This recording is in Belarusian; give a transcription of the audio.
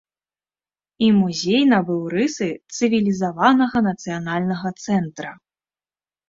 І музей набыў рысы цывілізаванага нацыянальнага цэнтра.